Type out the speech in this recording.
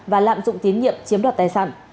và lạm dụng tiến nhiệm chiếm đoạt tài sản